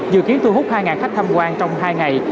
dự kiến thu hút hai khách tham quan trong hai ngày